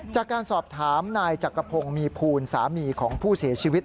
จากการสอบถามนายจักรพงศ์มีภูลสามีของผู้เสียชีวิต